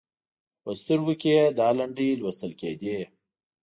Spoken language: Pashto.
خو په سترګو کې یې دا لنډۍ لوستل کېدې.